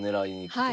はい。